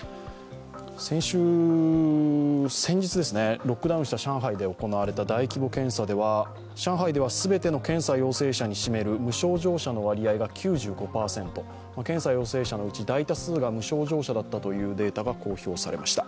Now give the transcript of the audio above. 先週、先日、ロックダウンした上海で行われた大規模検査では上海では全ての検査陽性者に占める無症状者の割合が９５％、検査陽性者のうち大多数が無症状者だったというデータが発表されました。